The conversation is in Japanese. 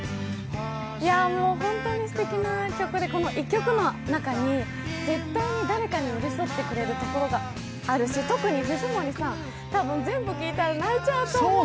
もうホントにすてきな曲で、この１曲の中に絶対に誰かに寄り添ってくれるところがあるし特に藤森さん、たぶん全部聴いたら泣いちゃうと思う。